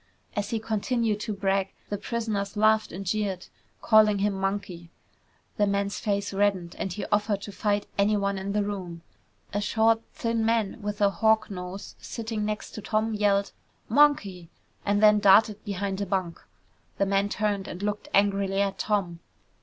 As he continued to brag, the prisoners laughed and jeered, calling him Monkey. The man's face reddened and he offered to fight anyone in the room. A short, thin man with a hawk nose sitting next to Tom yelled, "Monkey," and then darted behind a bunk. The man turned and looked angrily at Tom.